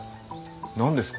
何ですか？